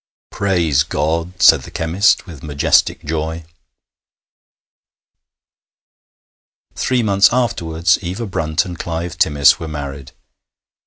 'Praise God!' said the chemist, with majestic joy. Three months afterwards Eva Brunt and Clive Timmis were married.